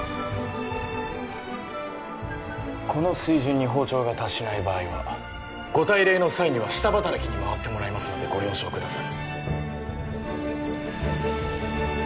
この水準に包丁が達しない場合はご大礼の際には下働きに回ってもらいますのでご了承ください